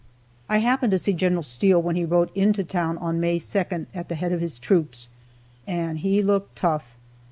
I happened to see Gen. Steele when he rode into town on May 2nd, at the head of his troops, and he looked tough.